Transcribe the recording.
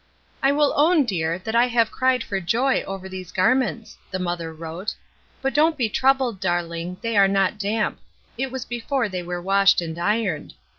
''I will own, dear, that I have cried for joy over these garments," the mother wrote; "but don't be troubled, darling, they are not damp; it was before they were washed and ironed.